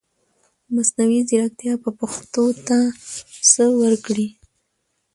مصنوعي ځرکتيا به پښتو ته سه ورکړٸ